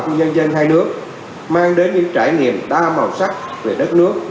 của nhân dân hai nước mang đến những trải nghiệm đa màu sắc về đất nước